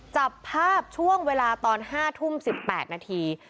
จับภาพช่วงเวลาตอน๕ทุ่ม๑๘นาที